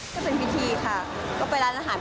ก็เป็นพิธีค่ะก็ไปร้านอาหาร